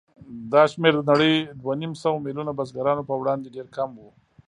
دا شمېر د نړۍ دوهنیمسوه میلیونه بزګرانو په وړاندې ډېر کم و.